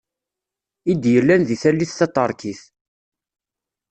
I d-yellan deg tallit taterkit.